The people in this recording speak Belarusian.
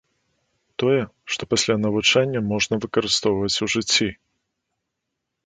Тое, што пасля навучання, можна выкарыстоўваць у жыцці.